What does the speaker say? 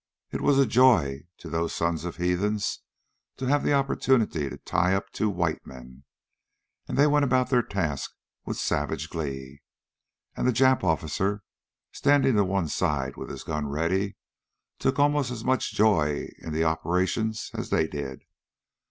It was a joy to those two sons of heathens to have the opportunity to tie up two white men, and they went about their tasks with savage glee. And the Jap officer, standing to one side with his gun ready, took almost as much joy in the operations as they did.